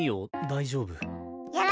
大丈夫。